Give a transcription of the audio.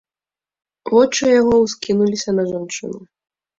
Вочы яго ўскінуліся на жанчыну.